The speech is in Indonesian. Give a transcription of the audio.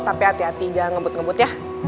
tapi hati hati jangan ngebut ngebut ya